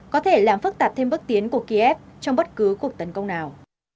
có thể làm phức tạp thêm bước tiến của kiev trong bất cứ cuộc tấn công nào